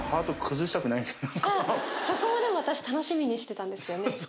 そこはでも私楽しみにしてたんですよね